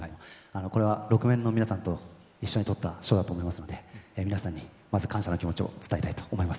これはロクメンの皆さんと一緒に取った賞だと思いますので皆さんにまず感謝の気持ちを伝えたいと思います。